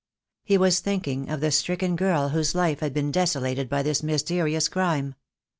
He was thinking of the stricken girl whose life had been desolated by this mysterious crime.